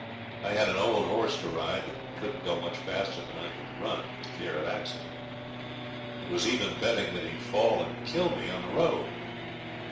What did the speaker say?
I had an old horse to ride that couldn't go much faster than I could run, for fear of accident. It was even betting that he'd fall and kill me on the road.